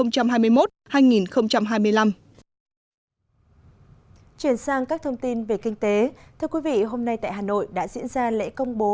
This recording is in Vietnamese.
chuyển sang các thông tin về kinh tế thưa quý vị hôm nay tại hà nội đã diễn ra lễ công bố